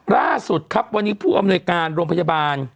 ล่าสุดครับวันนี้ผู้อำนวยการโรงพยาบาล